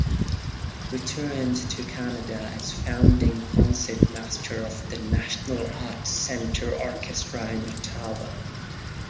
Returned to Canada as founding Concertmaster of the National Arts Centre Orchestra in Ottawa.